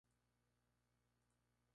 Tradujo libros teológicos del alemán.